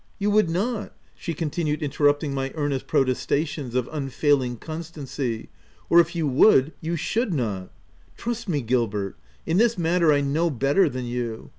— You would not," she continued interrupting my earnest protesta tions of unfailing constancy, —" or if you would you should not. Trust me, Gilbert ; in this matter I know better than you.